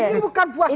itu bukan puasana